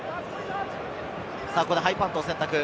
ハイパントを選択。